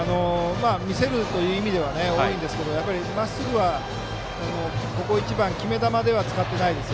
見せるという意味では多いんですけどまっすぐは、ここ一番の決め球では使ってないです。